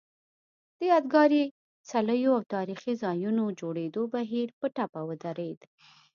د یادګاري څلیو او تاریخي ځایونو جوړېدو بهیر په ټپه ودرېد